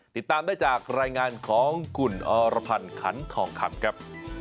ติดตามได้จากรายงานของคุณอรพันธ์ขันทองคำครับ